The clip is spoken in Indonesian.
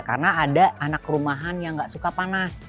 karena ada anak rumahan yang gak suka panas